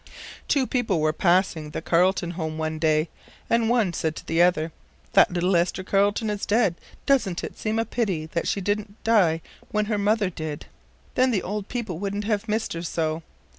Two people were passing the Carleton home one day, and one said to the other: "That little Esther Carleton is dead. Doesn't it seem a pity that she didn't die when her mother did? Then the old people wouldn't have missed her so.